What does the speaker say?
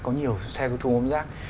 có nhiều xe thu ôm rác